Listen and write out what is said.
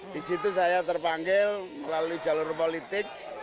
di situ saya terpanggil melalui jalur politik